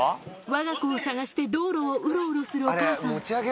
わが子を捜して道路をうろうろするお母さん。